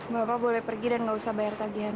bapak boleh pergi dan gak usah bayar tagian